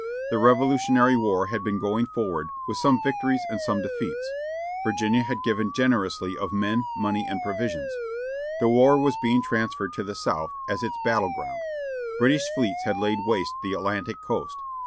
The Revolutionary War had been going forward, with some victories and some defeats. Virginia had given generously of men, money, and provisions. The war was being transferred to the South, as its battle ground. British fleets had laid waste the Atlantic coast.